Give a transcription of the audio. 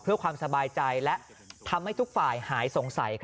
เพื่อความสบายใจและทำให้ทุกฝ่ายหายสงสัย